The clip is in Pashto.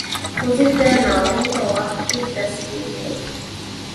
موزیک د ناورین په وخت کې تسکین دی.